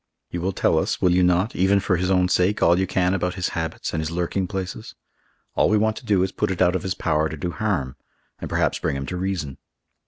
You will tell us, will you not, even for his own sake, all you can about his habits and his lurking places? All we want to do is to put it out of his power to do harm, and perhaps bring him to reason."